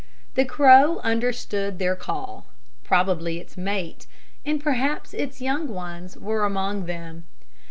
The crow understood their call. Probably its mate, and perhaps its young ones, were among them.